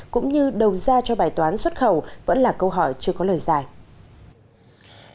cũng như đầu ra cho bài toán xuất khẩu vẫn là câu hỏi chưa có lời giải